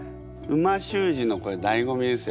美味しゅう字のこれだいご味です